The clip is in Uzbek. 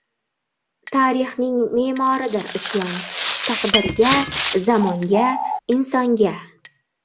• Tarixning me’moridir isyon: taqdirga, zamonga, insonga…